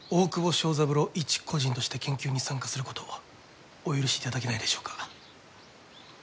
昭三郎一個人として研究に参加することお許しいただけないでしょうか？